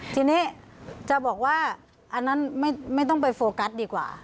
ทีนี้จะบอกว่าอันนั้นไม่ต้องไปโฟกัสดีกว่า